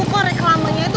kok reklamenya itu